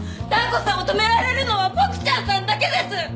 ダー子さんを止められるのはボクちゃんさんだけです！